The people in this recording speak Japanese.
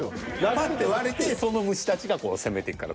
パッて割れてその虫たちが攻めていくから。